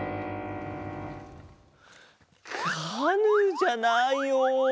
カヌーじゃないよ。